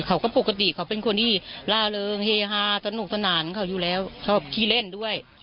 ปกติเขาเป็นคนที่ล่าเริงเฮฮาสนุกสนานเขาอยู่แล้วชอบขี้เล่นด้วย